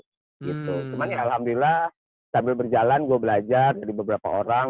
cuman alhamdulillah sambil berjalan gue belajar dari beberapa orang